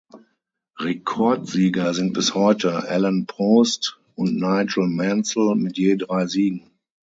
Rekordsieger sind bis heute Alain Prost und Nigel Mansell mit je drei Siegen.